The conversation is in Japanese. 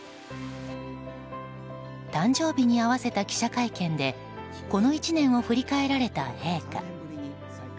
誕生日に合わせた記者会見でこの１年を振り返られた陛下。